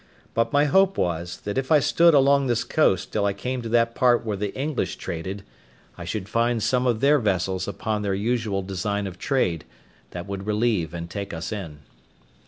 But my hope was, that if I stood along this coast till I came to that part where the English traded, I should find some of their vessels upon their usual design of trade, that would relieve and take us in.